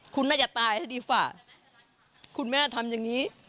คุณน่าจะตายซะดีฝ่าคุณไม่น่าทำอย่างงี้